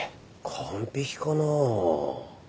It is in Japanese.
完璧かなぁ。